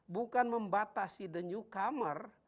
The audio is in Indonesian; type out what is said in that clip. bukan membatasi the newcomer